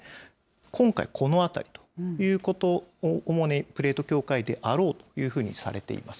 今回、この辺りということ、主にプレート境界であろうというふうにされています。